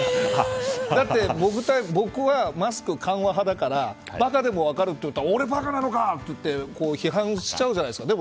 だって、僕はマスク緩和派だからバカでも分かると言ったら俺バカなのか！と言って批判しちゃうじゃないですか。